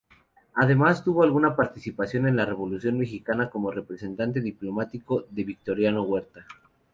Además tuvo alguna participación en la Revolución mexicana como representante diplomático de Victoriano Huerta.